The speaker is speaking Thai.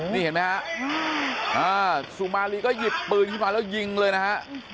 นี่เห็นไหมฮะสุมารีก็หยิบปืนขึ้นมาแล้วยิงเลยนะฮะ